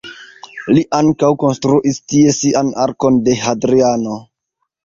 Li ankaŭ konstruis tie sian Arkon de Hadriano.